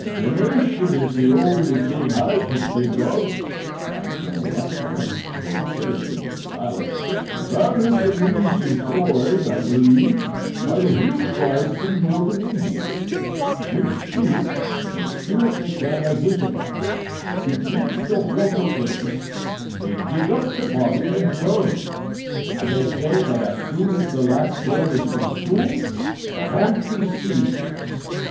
"Cremation is the only thing I can think of!" cried Colonel Rushworth, who had hitherto been silent. "That is the means employed, I believe, by the hill tribes in Northern India. When a spirit—a spirit they can identify—begins to haunt a place, they dig up the body and burn it, and they say that as soon as the last bone is consumed the haunting ceases.